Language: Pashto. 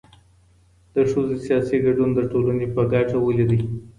د ښځو سياسي ګډون د ټولني په ګټه ولي دی؟